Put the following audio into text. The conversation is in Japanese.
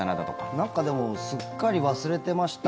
なんか、でもすっかり忘れてました。